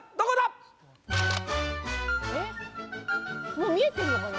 もう見えてんのかな？